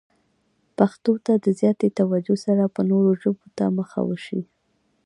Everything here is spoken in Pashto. پښتو ته د زیاتې توجه سره به نورو ژبو ته مخه وشي.